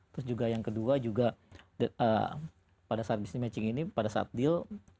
terus juga yang kedua juga pada saat busines matching ini pada saat deal